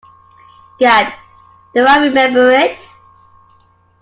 Gad, do I remember it.